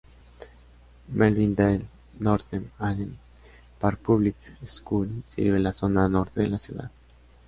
Melvindale-Northern Allen Park Public Schools sirve la zona norte de la ciudad.